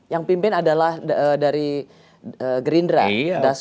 yang pimpin adalah dari gerindra